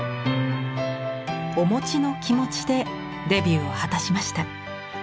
「おもちのきもち」でデビューを果たしました。